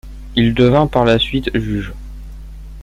Il devint par la suite juge.